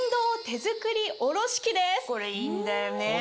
これいいんだよね。